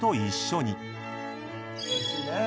おいしいね。